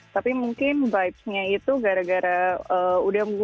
tapi mungkin vibes nya itu gara gara udah menggunakan